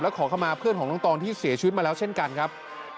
ขอเข้ามาเพื่อนของน้องตองที่เสียชีวิตมาแล้วเช่นกันครับ